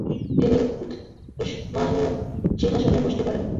তিনি উসমানীয় সিংহাসনে বসতে পারেন।